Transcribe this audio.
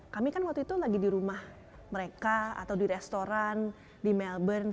kami kan waktu itu lagi di rumah mereka atau di restoran di melbourne